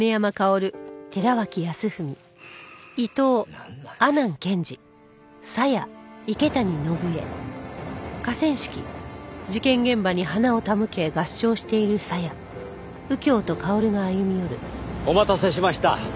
なんなんだよ。お待たせしました。